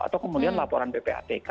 atau kemudian laporan ppatk